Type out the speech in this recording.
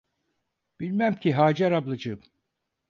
Bilmem ki Hacer ablacığım!